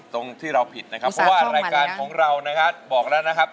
ตรงที่เราผิดนะครับเพราะว่ารายการของเรานะครับบอกแล้วนะครับ